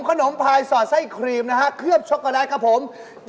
ขนมพลายสอดไส้ครีมนะครับเคือบช็อกโกแรตครับผม